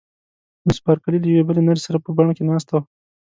مس بارکلي له یوې بلې نرسې سره په بڼ کې ناسته وه.